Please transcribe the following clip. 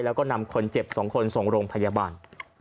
แล้วก็นำคนเจ็บ๒คนส่งโรงพยาบาล